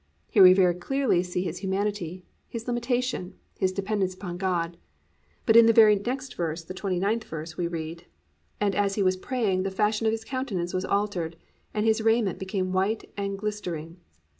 "+ Here we very clearly see His humanity, His limitation, His dependence upon God; but in the very next verse, the 29th verse, we read, +"And as He was praying the fashion of his countenance was altered and His raiment became white and glistering."